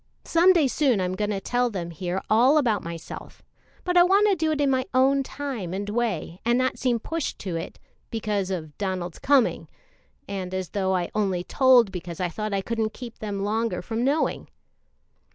Some day soon I'm going to tell them here all about myself, but I want to do it in my own time and way, and not seem pushed to it because of Donald's coming, and as though I only told because I thought I couldn't keep them longer from knowing."